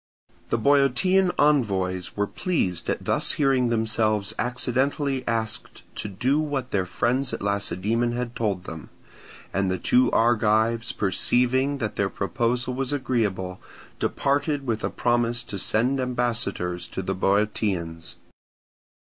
The Boeotian envoys were were pleased at thus hearing themselves accidentally asked to do what their friends at Lacedaemon had told them; and the two Argives perceiving that their proposal was agreeable, departed with a promise to send ambassadors to the Boeotians.